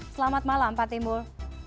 selamat malam pak timbul